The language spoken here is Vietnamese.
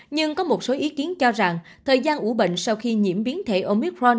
nhưng có một số ý kiến cho rằng thời gian ủ bệnh sau khi nhiễm biến thể omicron